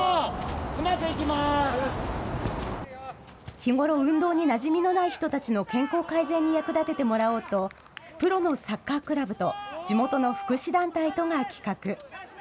日頃、運動になじみのない人たちの健康改善に役立ててもらおうと、プロのサッカークラブと地元の福祉団体とが企画。